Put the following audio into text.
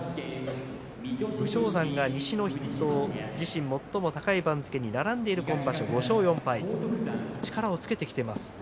武将山が西の筆頭自身最も高い番付に並んでいる今場所は５勝４敗と力をつけてきています。